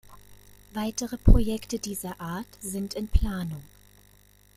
Weitere Projekte dieser Art sind in Planung.